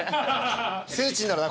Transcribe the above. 聖地になるな！